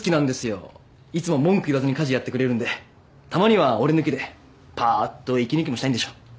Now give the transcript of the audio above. いつも文句言わずに家事やってくれるんでたまには俺抜きでぱっと息抜きもしたいんでしょう。